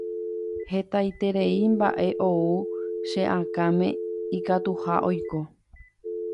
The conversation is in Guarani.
Hetaiterei mba'e ou che akãme ikatuha oiko.